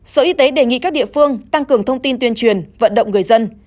sở y tế đề nghị các địa phương tăng cường thông tin tuyên truyền vận động người dân